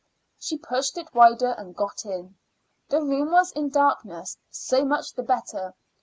She pushed it wider and got in. The room was in darkness. So much the better.